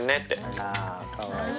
あらかわいい。